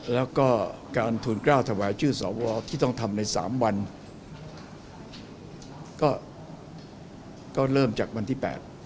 แล้วก็การทูลกล้าวถวายชื่อสวที่ต้องทำใน๓วันก็เริ่มจากวันที่๘